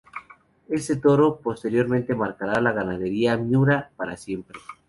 Este toro posteriormente marcará la ganadería Miura para siempre.